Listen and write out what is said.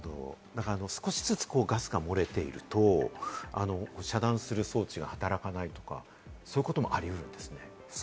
少しずつガスが漏れていると遮断する装置が働かないとか、そういうこともありうるんですね。